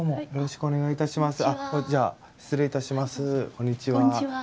こんにちは。